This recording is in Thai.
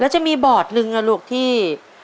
แล้วจะมีบอดนึงนะลูกที่